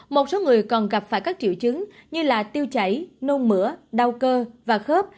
một số người còn gặp phải các triệu chứng như tiêu chảy nôn mửa đau cơ và khớp